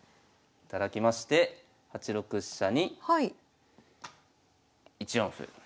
頂きまして８六飛車に１四歩。